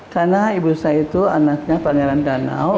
karena ibu saya itu anaknya pangeran danau